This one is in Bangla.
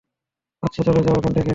আচ্ছা, চলে যাও এখান থেকে!